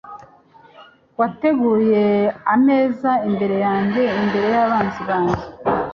wateguye ameza imbere yanjye imbere y'abanzi banjye